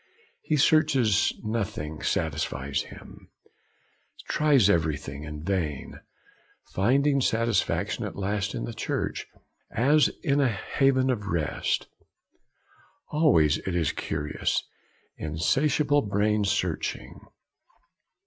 He searches, nothing satisfies him, tries everything, in vain; finding satisfaction at last in the Church, as in a haven of rest. Always it is the curious, insatiable brain searching.